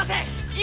今！